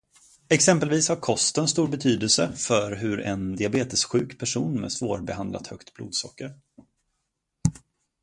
Exempelvis har kosten stor betydelse för en diabetessjuk person med svårbehandlat högt blodsocker.